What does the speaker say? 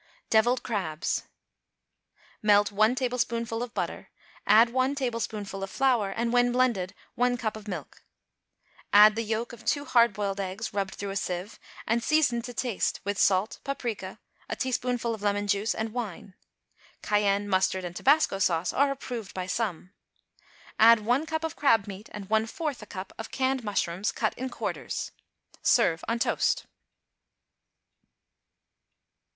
=Devilled Crabs.= Melt one tablespoonful of butter, add one tablespoonful of flour, and, when blended, one cup of milk. Add the yolks of two hard boiled eggs rubbed through a sieve, and season to taste with salt, paprica, a teaspoonful of lemon juice and wine; cayenne, mustard and tobasco sauce are approved by some. Add one cup of crab meat and one fourth a cup of canned mushrooms cut in quarters. Serve on toast.